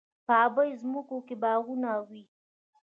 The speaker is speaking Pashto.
په ابی ځمکو کې باغونه وي.